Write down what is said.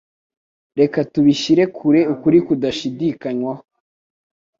Reka tubishyire kure ukuri kudashidikanywaho